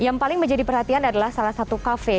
yang paling menjadi perhatian adalah salah satu kafe